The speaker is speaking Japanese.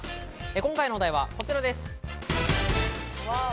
今回の話題は、こちらです。